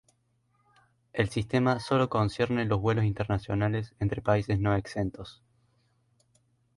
El sistema sólo concierne los vuelos internacionales entre países no exentos.